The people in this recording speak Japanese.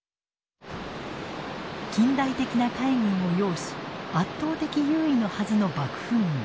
近代的な海軍を擁し圧倒的優位のはずの幕府軍。